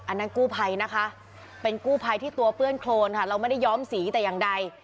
อันนั้นกู้ภัยนะคะเป็นกู้ภัยที่ตัวเปื้อนโครนค่ะเราไม่ได้ย้อมสีแต่อย่างใด